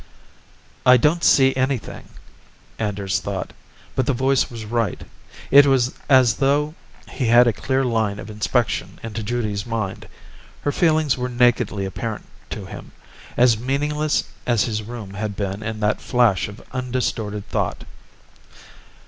"I don't see anything," Anders thought, but the voice was right. It was as though he had a clear line of inspection into Judy's mind. Her feelings were nakedly apparent to him, as meaningless as his room had been in that flash of undistorted thought.